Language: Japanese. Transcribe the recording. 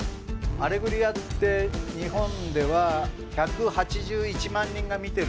『アレグリア』って日本では１８１万人が見てるのね。